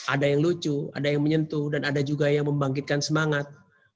ada yang lucu ada yang menyentuh dan ada juga yang membangkitkan semangat